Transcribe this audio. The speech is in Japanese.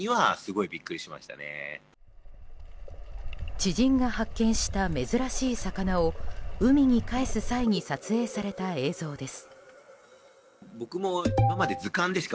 知人が発見した珍しい魚を海にかえす際に撮影された映像です。